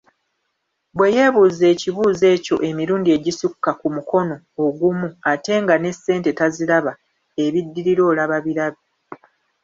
Bwe yeebuuza ekibuuzo ekyo emirundi egisukka ku mukono ogumu ate nga n'esente taziraba ebiddirira olaba birabe!